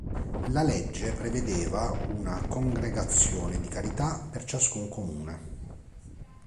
La legge prevedeva una congregazione di carità per ciascun comune.